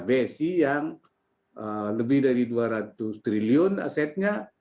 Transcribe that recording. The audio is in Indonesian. bsi yang lebih dari dua ratus triliun asetnya